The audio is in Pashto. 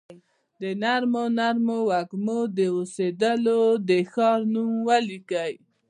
د نرمو نرمو وږمو، د اوسیدولو د ښار نوم ولیکي